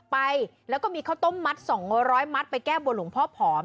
ไปแล้วก็มีข้าวต้มมัด๒๐๐มัดไปแก้บนหลวงพ่อผอม